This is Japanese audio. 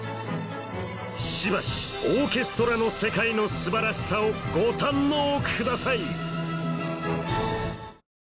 しばしオーケストラの世界の素晴らしさをご堪能ください